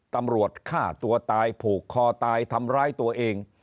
ตำรวจฆ่าตัวตายผูกคอตายทำร้ายตัวเอง